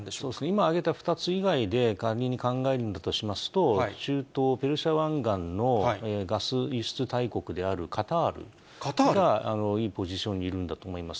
今挙げた２つ以外で仮に考えるとしますと、中東ペルシャ湾岸のガス輸出大国であるカタールが、いいポジションにいるんだと思います。